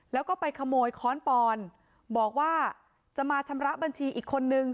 แล้วก็ไปขโมยค้อนปอนบอกว่าจะมาชำระบัญชีอีกคนนึง